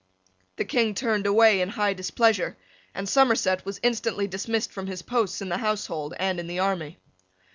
The King turned away in high displeasure, and Somerset was instantly dismissed from his posts in the household and in the army.